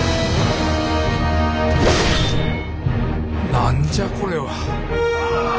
何じゃこれは。